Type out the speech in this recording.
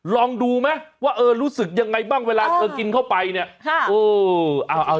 ลองดูไหมว่าเออรู้สึกยังไงบ้างเวลาเธอกินเข้าไปเนี่ย